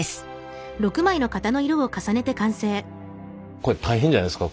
これ大変じゃないですか？